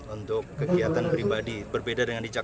untuk kegiatan pribadi berbeda dengan di jakarta